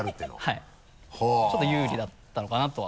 はいちょっと有利だったのかなとは。